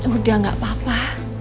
udah gak apa apa